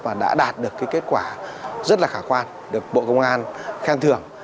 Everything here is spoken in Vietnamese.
và đã đạt được kết quả rất khả quan được bộ công an khen thưởng